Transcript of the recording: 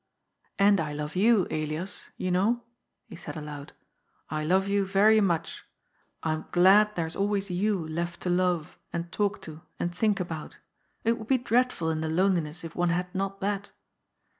" And I love you, Elias, you know,*' he said aloud. " I love you very much. I am glad there is always you left to love, and talk to, and think aboui It would be dreadful in the loneliness, if one had not that.